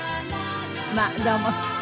まあどうも。